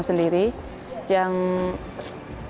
yang tidak lain itu adalah aturan fiba internasional